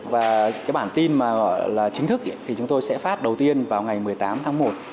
và bản tin chính thức chúng tôi sẽ phát đầu tiên vào ngày một mươi tám tháng một